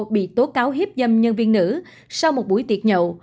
bị tố cáo hiếp dâm nhân viên nữ sau một buổi tiệc nhậu